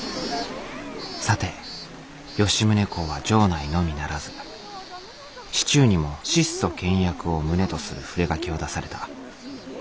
さて吉宗公は城内のみならず市中にも質素倹約を旨とする触書を出された。